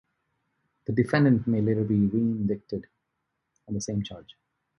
The defendant may later be re-indicted on the same charge.